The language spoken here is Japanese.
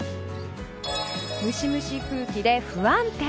ムシムシ空気で不安定。